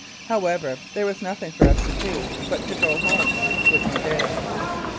However, there was nothing for us to do but to go home, which we did.